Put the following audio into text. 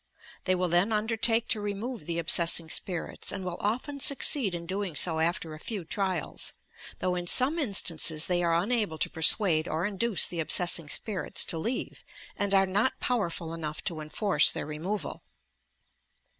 They will then under take to remove the obsessing spirits, and will often suc ceed in doing so after a few trials, — though in some in stances they are unable to persuade or induce the ob sessing spirits to leave, and are not powerful enough to enforce their removal.